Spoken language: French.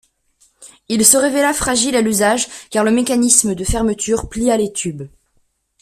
Il se révéla fragile à l'usage car le mécanisme de fermeture plia les tubes.